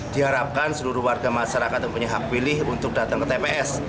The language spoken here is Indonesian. diharapkan seluruh warga masyarakat yang punya hak pilih untuk datang ke tps